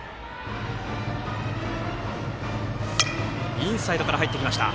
インサイドから入ってきた。